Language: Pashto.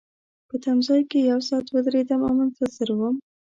په تمځای کي یو ساعت ودریدم او منتظر وم.